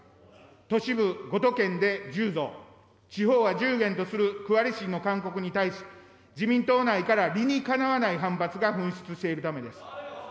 都市部５都県で１０増、地方は１０減とする区割り審の勧告に対し、自民党内から理にかなわない反発が噴出しているためです。